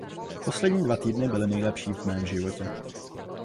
Poslední dva týdny byly nejlepší v mém životě.